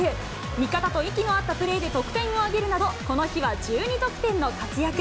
味方と息の合ったプレーで得点を挙げるなど、この日は１２得点の活躍。